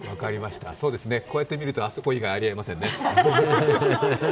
こうやって見るとあそこ以外ありえませんね。